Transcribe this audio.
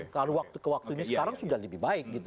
kalau waktu ini sekarang sudah lebih baik